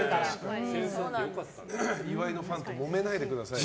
岩井のファンともめないでくださいね。